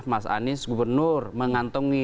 mas anies gubernur mengantongi